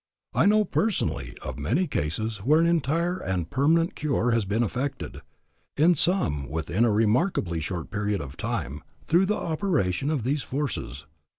I know personally of many cases where an entire and permanent cure has been effected, in some within a remarkably short period of time, through the operation of these forces.